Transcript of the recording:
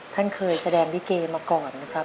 ท่านเคยแสดงลิเกมาก่อนนะครับ